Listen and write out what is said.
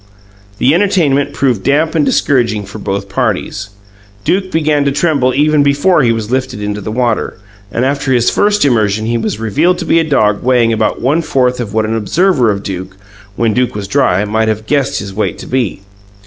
The entertainment proved damp and discouraging for both parties. Duke began to tremble even before he was lifted into the water, and after his first immersion he was revealed to be a dog weighing about one fourth of what an observer of Duke, when Duke was dry, must have guessed his weight to be.